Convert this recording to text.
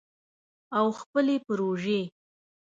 او خپلې پروژې